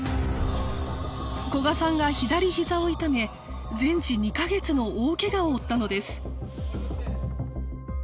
古賀さんが左ひざを痛め全治２カ月の大ケガを負ったのです